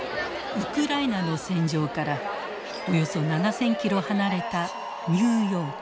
ウクライナの戦場からおよそ７，０００キロ離れたニューヨーク。